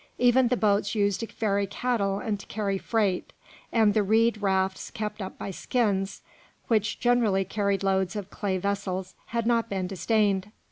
Even the boats used to ferry cattle and to carry freight, and the reed rafts kept up by skins, which generally carried loads of clay vessels, had not been disdained.